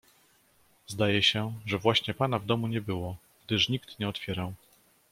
"Zdaje się, że właśnie pana w domu nie było, gdyż nikt nie otwierał."